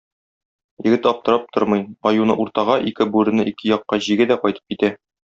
Егет аптырап тормый, аюны уртага, ике бүрене ике якка җигә дә кайтып китә.